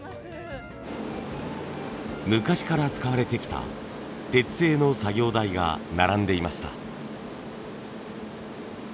昔から使われてきた鉄製の作業台が並んでいました。